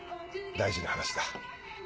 大事な話だ。